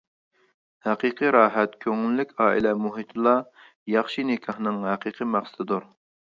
ھەقىقىي راھەت، كۆڭۈللۈك ئائىلە مۇھىتىلا ياخشى نىكاھنىڭ ھەقىقىي مەقسىتىدۇر.